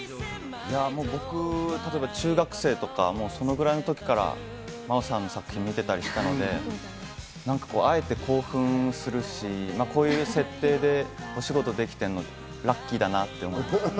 僕、例えば中学生とかそのぐらいの時から真央さんの作品を見ていたりしたので、会えて興奮するし、こういう設定でお仕事できているのがラッキーだなって思います。